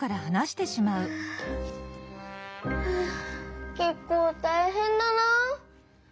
ふっけっこうたいへんだな。